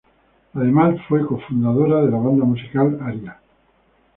Además fue co-fundadora de la banda musical Arya.